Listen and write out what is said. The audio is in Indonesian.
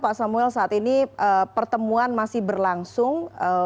pak samuel saat ini pertemuan masih berlangsung